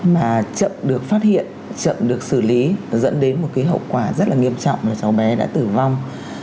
mà chậm được phát hiện chậm được xử lý dẫn đến một hậu quả rất nghiêm trọng là cháu bé đã tử vong